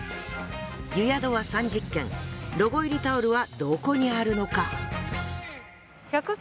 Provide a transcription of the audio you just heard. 湯宿は３０軒ロゴ入りタオルはどこにあるのか。